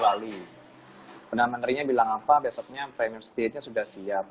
jadi penamanerinya bilang apa besoknya framework statenya sudah siap